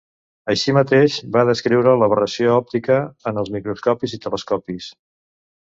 Així mateix, va descriure l'aberració òptica en els microscopis i telescopis.